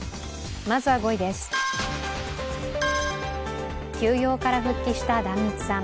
まずは５位です休養から復帰した壇密さん。